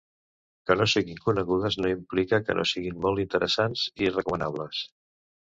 Que no siguin conegudes no implica que no siguin molt interessants i recomanables.